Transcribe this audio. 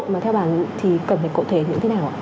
mà theo bà thì cần phải cụ thể như thế nào ạ